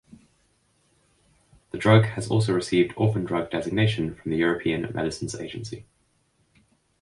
The drug has also received orphan drug designation from the European Medicines Agency.